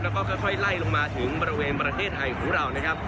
แล้วก็ค่อยไล่ลงมาถึงบริเวณประเทศไทยของเรานะครับ